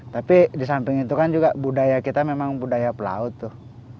tapi di samping itu kan juga budaya kita memang budaya pelaut tuh